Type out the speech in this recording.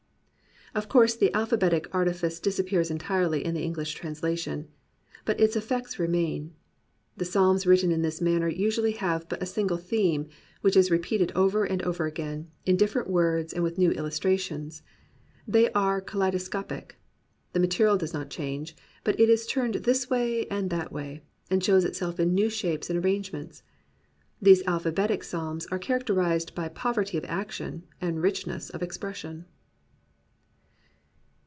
Of course the alphabetic artifice disappears en tirely in the Enghsh translation. But its effects remain. The Psalms written in this manner usually have but a single theme, which is repeated over and over again, in different words and with new illustrations. They are kaleidoscopic. The ma terial does not change, but it is turned this way and that way, and shows itself in new shapes and arrangements. These alphabetic psalms are char acterized by poverty of action and richness of ex pression.